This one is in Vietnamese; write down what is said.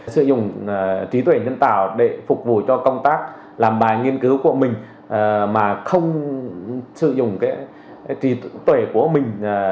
sử dụng trí tuệ nhân tạo để phục vụ cho công tác làm bài nghiên cứu của mình mà không sử dụng trí tuệ của mình